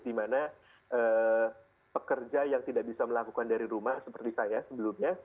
di mana pekerja yang tidak bisa melakukan dari rumah seperti saya sebelumnya